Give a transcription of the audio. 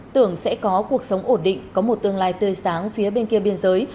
tưởng sẽ có cuộc sống ổn định có một tương lai tươi sáng phía bên kia biên giới